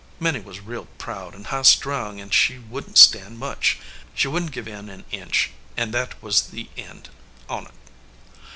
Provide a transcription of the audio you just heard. Minnie was real proud and high strung an she wouldn t stand much. She wouldn t give in an inch, and that was the end on t.